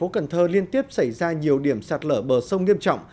địa bàn thành phố cần thơ liên tiếp xảy ra nhiều điểm sạt lở bờ sông nghiêm trọng